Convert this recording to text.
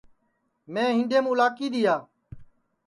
میں ہِیڈؔیم اُلاکی دِؔیا